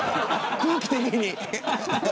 空気的に。